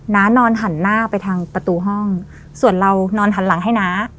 น้านอนหันหน้าไปทางประตูห้องส่วนเรานอนหันหลังให้น้า